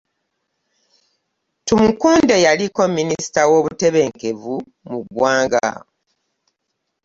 Tumukunde, yaliko minisita w'obutebenkevu mu ggwanga.